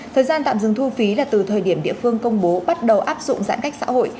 thời gian tạm dừng thu phí là từ thời điểm địa phương công bố bắt đầu áp dụng giãn cách xã hội